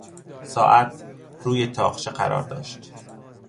ساعت روی تاقچه قرار داشت.